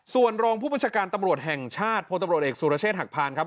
ส่วนรองผู้บัญชาการตำรวจแห่งชาติพลตำรวจเอกสุรเชษฐหักพานครับ